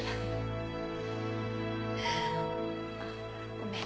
ごめん。